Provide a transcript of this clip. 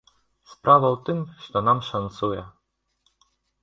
Справа ў тым, што нам шанцуе.